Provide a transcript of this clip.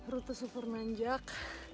rute super menanjak